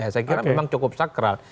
saya kira memang cukup sakral